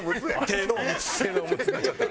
手のオムツ出ちゃった。